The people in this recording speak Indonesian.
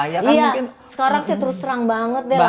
iya sekarang sih terus serang banget deh lagu lagu deh